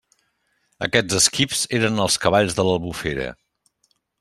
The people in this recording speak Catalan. Aquests esquifs eren els cavalls de l'Albufera.